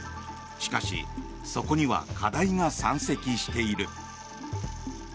しかし、そこには課題が山積している。